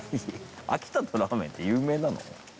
秋田のラーメンって有名なの？